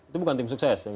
itu bukan tim sukses